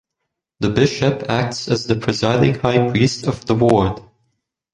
The bishop acts as the presiding high priest of the ward.